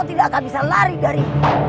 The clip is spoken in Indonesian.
tidak akan bisa lari dari